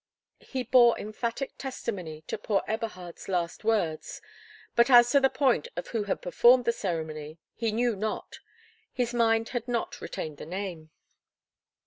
He bore emphatic testimony to poor Eberhard's last words; but as to the point of who had performed the ceremony, he knew not,—his mind had not retained the name.